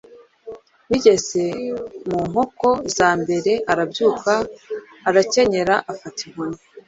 Bigeze mu nkoko za mbere arabyuka arakenyera, afata inkoni,